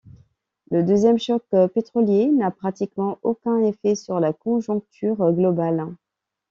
Le deuxième choc pétrolier n'a pratiquement aucun effet sur la conjoncture globale.